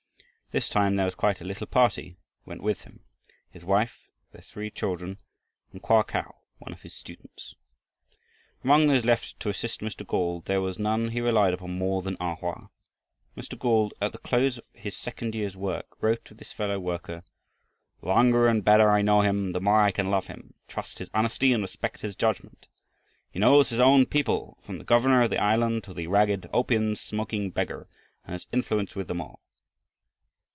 This time there was quite a little party went with him: his wife, their three children, and Koa Kau, one of his students. Among those left to assist Mr. Gauld, there was none he relied upon more than A Hoa. Mr. Gauld, at the close of his second year's work, wrote of this fellow worker: "The longer and better I know him, the more I can love him, trust his honesty, and respect his judgment. He knows his own people, from the governor of the island to the ragged opium smoking beggar, and has influence with them all."